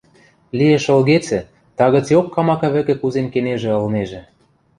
Лиэш ылгецӹ, тагыцеок камака вӹкӹ кузен кенежӹ ылнежӹ.